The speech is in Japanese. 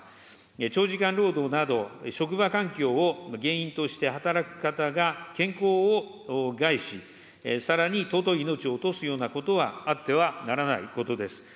長時間労働など、職場環境を原因として働く方が健康を害し、さらに尊い命を落とすようなことはあってはならないことです。